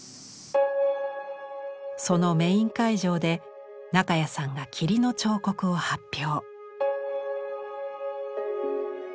そのメイン会場で中谷さんが「霧の彫刻」を発表。